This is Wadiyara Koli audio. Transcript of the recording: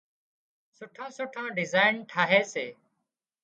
سُٺا سُٺا ڊزائين ٺاهي سي